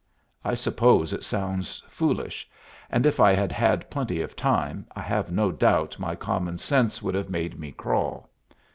I suppose it sounds foolish, and if I had had plenty of time I have no doubt my common sense would have made me crawl.